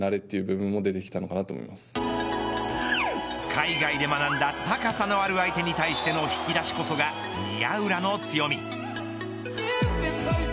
海外で学んだ高さのある相手に対しての引き出しこそが宮浦の強み。